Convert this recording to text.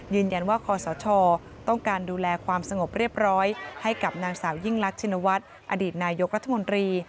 คอสชต้องการดูแลความสงบเรียบร้อยให้กับนางสาวยิ่งรักชินวัฒน์อดีตนายกรัฐมนตรี